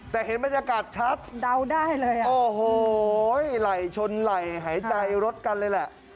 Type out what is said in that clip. แต่เห็นบรรยากาศชัดเดาได้เลยอ่ะโอ้โหไหล่ชนไหล่หายใจรถกันเลยแหละ